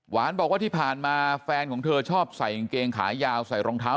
บอกว่าที่ผ่านมาแฟนของเธอชอบใส่กางเกงขายาวใส่รองเท้า